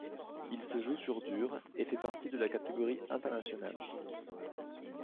Il se joue sur dur et fait partie de la catégorie International.